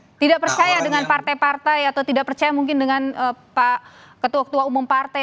tapi tidak percaya dengan partai partai atau tidak percaya mungkin dengan pak ketua ketua umum partai